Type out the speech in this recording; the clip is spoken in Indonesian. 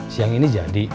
siang ini jadi